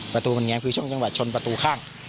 ประตูมันแง้คือช่วงจังหวะชนประตูข้าง